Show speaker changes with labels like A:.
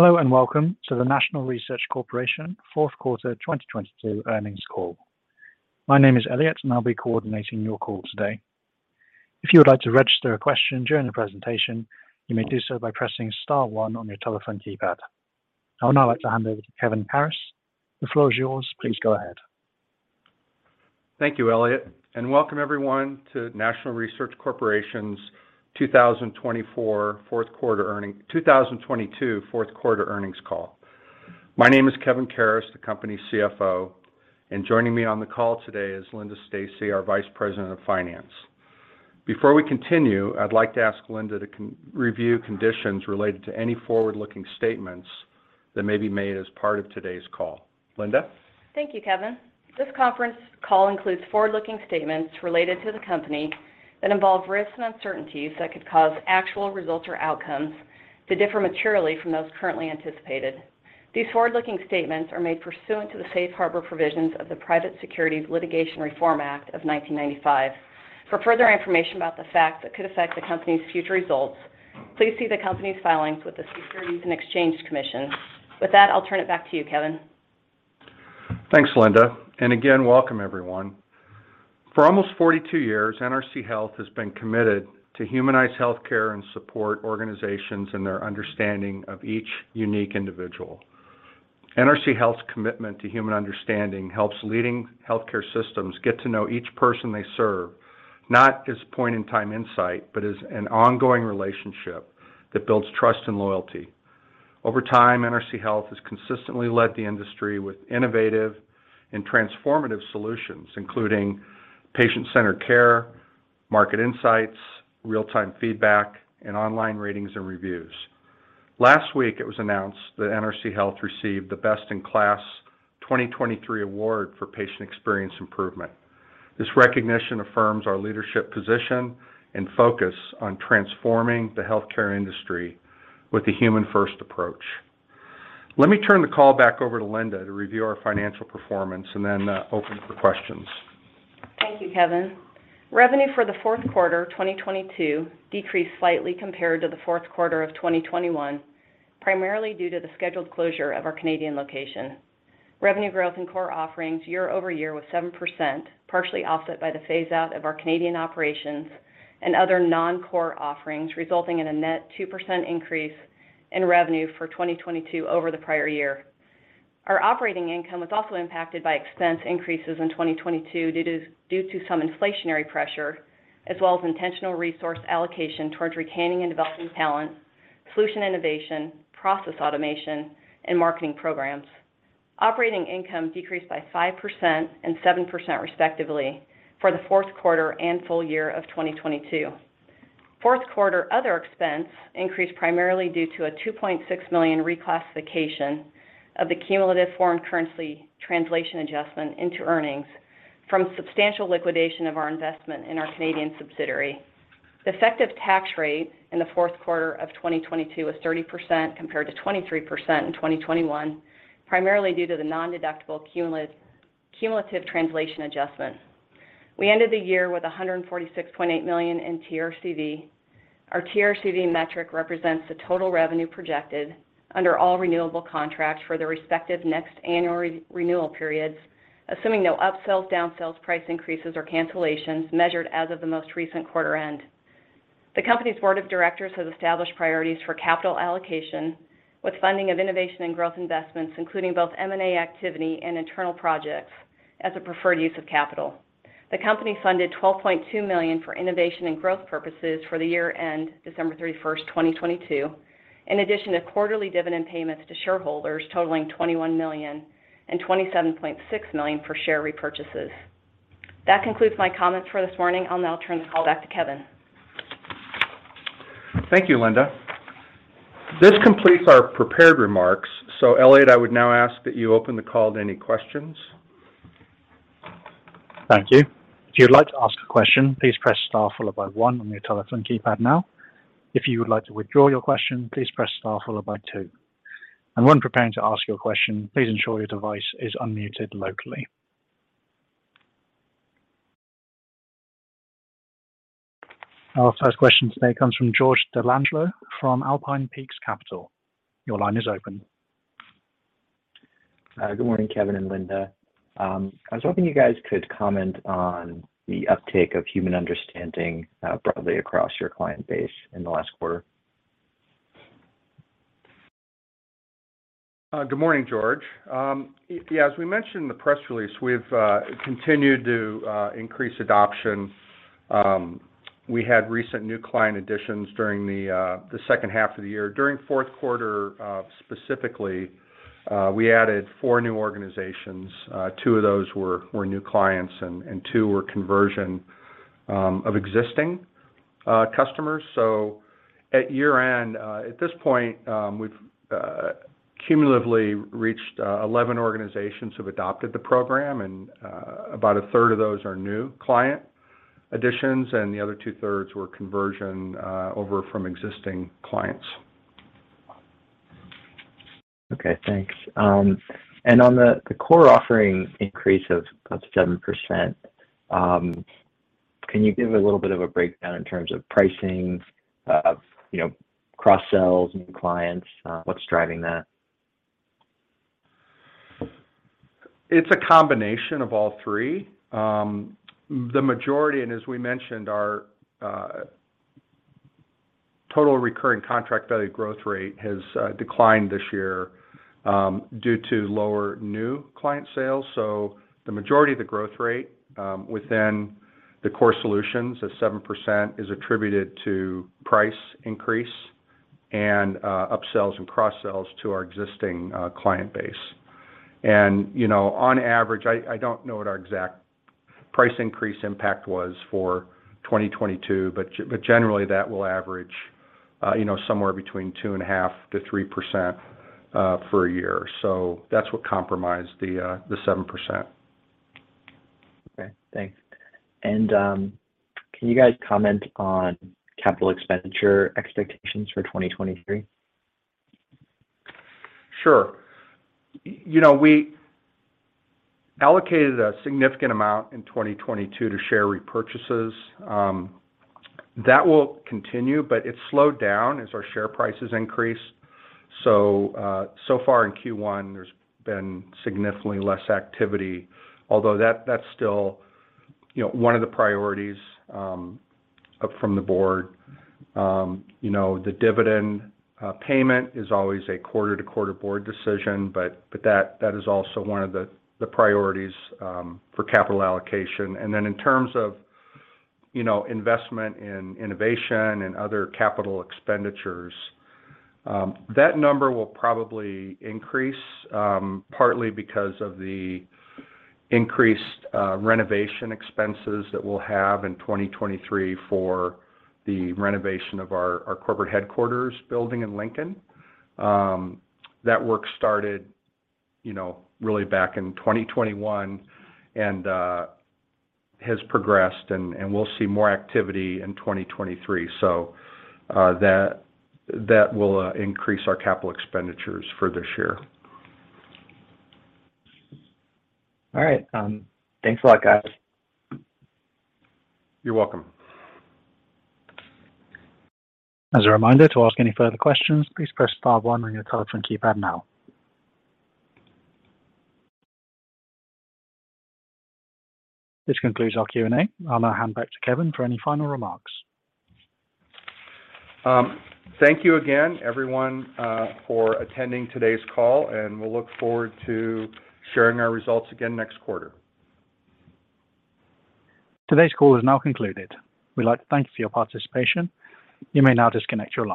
A: Hello, welcome to the National Research Corporation Q4 2022 earnings call. My name is Elliot, and I'll be coordinating your call today. If you would like to register a question during the presentation, you may do so by pressing star one on your telephone keypad. I would now like to hand over to Kevin Karas. The floor is yours. Please go ahead.
B: Thank you, Elliot. Welcome everyone to National Research Corporation's 2022 Q4 earnings call. My name is Kevin Karas, the company's CFO, and joining me on the call today is Linda Stacy, our vice president of finance. Before we continue, I'd like to ask Linda to review conditions related to any forward-looking statements that may be made as part of today's call. Linda?
C: Thank you, Kevin. This conference call includes forward-looking statements related to the company that involve risks and uncertainties that could cause actual results or outcomes to differ materially from those currently anticipated. These forward-looking statements are made pursuant to the Safe Harbor provisions of the Private Securities Litigation Reform Act of 1995. For further information about the facts that could affect the company's future results, please see the company's filings with the Securities and Exchange Commission. With that, I'll turn it back to you, Kevin.
B: Thanks, Linda. Again, welcome everyone. For almost 42 years, NRC Health has been committed to humanized healthcare and support organizations in their understanding of each unique individual. NRC Health's commitment to Human Understanding helps leading healthcare systems get to know each person they serve, not as point-in-time insight, but as an ongoing relationship that builds trust and loyalty. Over time, NRC Health has consistently led the industry with innovative and transformative solutions, including patient-centered care, market insights, real-time feedback, and online ratings and reviews. Last week, it was announced that NRC Health received the Best in KLAS 2023 award for patient experience improvement. This recognition affirms our leadership position and focus on transforming the healthcare industry with a human first approach. Let me turn the call back over to Linda to review our financial performance and then open it for questions.
C: Thank you, Kevin. Revenue for the Q4 2022 decreased slightly compared to the Q4 of 2021, primarily due to the scheduled closure of our Canadian location. Revenue growth in core offerings year-over-year was 7%, partially offset by the phaseout of our Canadian operations and other non-core offerings, resulting in a net 2% increase in revenue for 2022 over the prior year. Our operating income was also impacted by expense increases in 2022 due to some inflationary pressure as well as intentional resource allocation towards retaining and developing talent, solution innovation, process automation, and marketing programs. Operating income decreased by 5% and 7% respectively for the Q4 and full year of 2022. Q4 other expense increased primarily due to a $2.6 million reclassification of the cumulative foreign currency translation adjustment into earnings from substantial liquidation of our investment in our Canadian subsidiary. The effective tax rate in the Q4 of 2022 was 30% compared to 23% in 2021, primarily due to the non-deductible cumulative translation adjustment. We ended the year with $146.8 million in TRCV. Our TRCV metric represents the total revenue projected under all renewable contracts for the respective next annual renewal periods, assuming no upsells, downsells, price increases, or cancellations measured as of the most recent quarter end. The company's board of directors has established priorities for capital allocation with funding of innovation and growth investments, including both M&A activity and internal projects as a preferred use of capital. The company funded $12.2 million for innovation and growth purposes for the year end, December 31st, 2022, in addition to quarterly dividend payments to shareholders totaling $21 million and $27.6 million for share repurchases. That concludes my comments for this morning. I'll now turn the call back to Kevin.
B: Thank you, Linda. This completes our prepared remarks. Elliot, I would now ask that you open the call to any questions.
A: Thank you. If you'd like to ask a question, please press star followed by 1 on your telephone keypad now. If you would like to withdraw your question, please press star followed by 2. When preparing to ask your question, please ensure your device is unmuted locally. Our first question today comes from George D'Angelo from Alpine Peaks Capital. Your line is open.
D: Good morning, Kevin and Linda. I was hoping you guys could comment on the uptake of Human Understanding broadly across your client base in the last quarter.
B: Good morning, George. Yeah, as we mentioned in the press release, we've continued to increase adoption. We had recent new client additions during the H2 of the year. During Q4, specifically, we added four new organizations. two of those were new clients and two were conversion of existing customers. At year-end, at this point, we've cumulatively reached 11 organizations who have adopted the program, and about a third of those are new client additions, and the other two thirds were conversion over from existing clients.
D: Okay, thanks. On the core offering increase of up to 7%, can you give a little bit of a breakdown in terms of pricing, of, you know, cross-sells and clients? What's driving that?
B: It's a combination of all three. The majority, and as we mentioned, our Total Recurring Contract Value growth rate has declined this year due to lower new client sales. The majority of the growth rate within the core solutions of 7% is attributed to price increase and up-sells and cross-sells to our existing client base. You know, on average, I don't know what our exact price increase impact was for 2022, but generally that will average, you know, somewhere between 2.5%-3% for a year. That's what compromised the 7%.
D: Okay, thanks. Can you guys comment on capital expenditure expectations for 2023?
B: Sure. You know, we allocated a significant amount in 2022 to share repurchases. That will continue, it's slowed down as our share prices increase. So far in Q1 there's been significantly less activity, although that's still, you know, one of the priorities from the board. You know, the dividend payment is always a quarter-to-quarter board decision, but that is also one of the priorities for capital allocation. In terms of, you know, investment in innovation and other capital expenditures, that number will probably increase, partly because of the increased renovation expenses that we'll have in 2023 for the renovation of our corporate headquarters building in Lincoln. That work started, you know, really back in 2021 and has progressed and we'll see more activity in 2023. That will increase our capital expenditures for this year.
D: All right. Thanks a lot, guys.
B: You're welcome.
A: As a reminder, to ask any further questions, please press star one on your telephone keypad now. This concludes our Q&A. I'll now hand back to Kevin for any final remarks.
B: Thank you again, everyone, for attending today's call, and we'll look forward to sharing our results again next quarter.
A: Today's call is now concluded. We'd like to thank you for your participation. You may now disconnect your line.